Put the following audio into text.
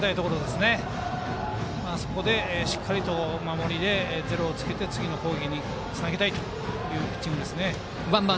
しっかり守りでゼロをつけて次の攻撃につなげたいというピッチングですね。